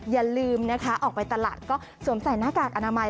อย่าลืมนะคะออกไปตลาดก็สวมใส่หน้ากากอนามัย